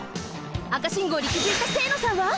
赤信号にきづいた清野さんは！？